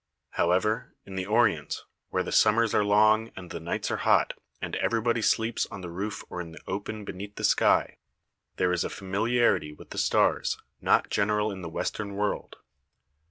However, in the Orient, where the summers are long and the nights are hot and everybody sleeps on the roof or in the open beneath the sky, there is a familiarity with the stars not general in the Western world.